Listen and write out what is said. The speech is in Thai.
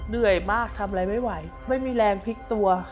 เหนื่อยมากทำอะไรไม่ไหวไม่มีแรงพลิกตัว